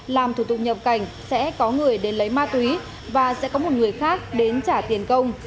làm thủ tục nhập cảnh sẽ có người đến lấy ma túy và sẽ có một người khác đến trả tiền công